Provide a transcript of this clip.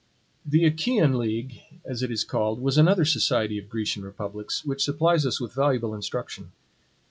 The Achaean league, as it is called, was another society of Grecian republics, which supplies us with valuable instruction.